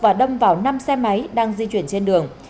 và đâm vào năm xe máy đang di chuyển trên đường